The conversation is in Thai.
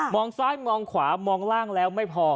ซ้ายมองขวามองล่างแล้วไม่พอ